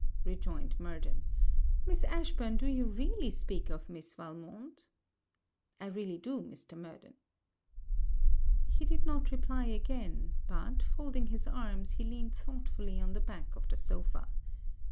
rejoined Murden, 'Miss Ashburn, do you really speak of Miss Valmont?' 'I really do, Mr. Murden.' He did not reply again; but, folding his arms, he leaned thoughtfully on the back of the sopha.